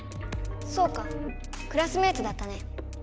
そうかクラスメートだったね。